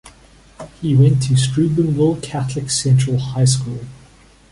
He went to Steubenville Catholic Central High School.